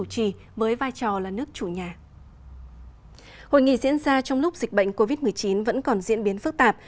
hội nghị diễn ra trong lúc dịch bệnh covid một mươi chín vẫn còn diễn biến phức tạp